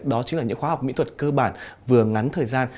đó chính là những khoa học mỹ thuật cơ bản vừa ngắn thời gian